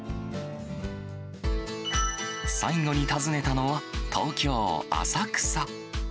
最後に訪ねたのは、東京・浅草。